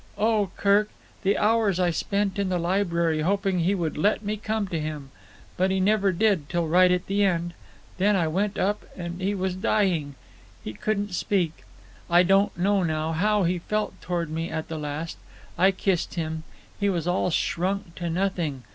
"Oh, Kirk, the hours I spent in the library hoping that he would let me come to him! But he never did till right at the end. Then I went up, and he was dying. He couldn't speak. I don't know now how he felt toward me at the last. I kissed him. He was all shrunk to nothing.